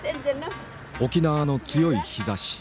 沖縄の強い日ざし。